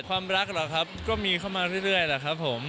ความรักเหรอครับก็มีเข้ามาเรื่อยแหละครับผม